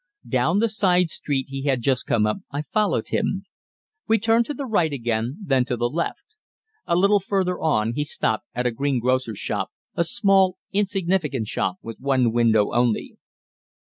Down the side street he had just come up I followed him. We turned to the right again, then to the left. A little further on he stopped at a greengrocer's shop, a small, insignificant shop with one window only.